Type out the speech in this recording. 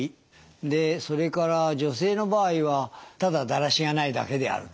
でそれから女性の場合はただだらしがないだけであると。